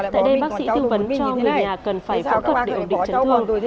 tại đây bác sĩ tư vấn cho người nhà cần phải phẫu thuật để ổn định chấn thương